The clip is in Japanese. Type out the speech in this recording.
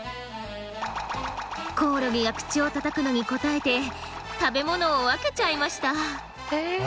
コオロギが口をたたくのに応えて食べ物を分けちゃいました。